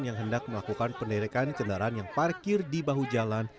yang hendak melakukan penderikan kendaraan yang parkir di bahu jalan